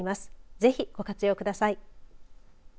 ぜひご活用ください。